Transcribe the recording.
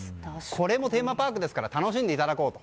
これもテーマパークですから楽しんでいただこうと。